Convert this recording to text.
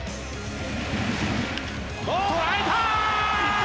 捉えた！